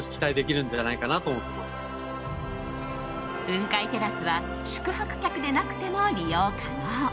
雲海テラスは宿泊客でなくても利用可能。